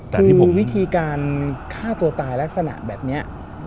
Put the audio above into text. คือวิธีการฆ่าตัวตายลักษณะแบบนี้